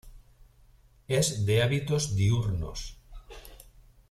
Es de hábitos diurnos.